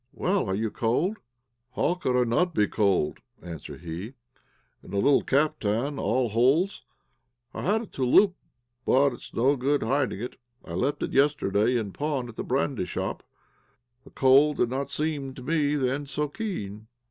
"Well, are you cold?" "How could I not be cold," answered he, "in a little caftan all holes? I had a touloup, but, it's no good hiding it, I left it yesterday in pawn at the brandy shop; the cold did not seem to me then so keen."